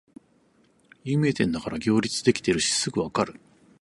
有名店だから行列できてるしすぐわかる